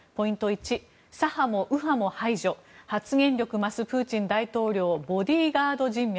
１左派も右派も排除発言力増す、プーチン大統領ボディーガード人脈。